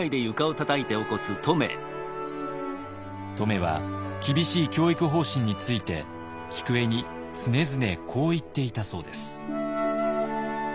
乙女は厳しい教育方針について菊栄に常々こう言っていたそうです。